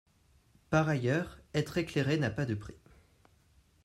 Par ailleurs, être éclairé n’a pas de prix.